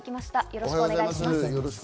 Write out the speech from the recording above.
よろしくお願いします。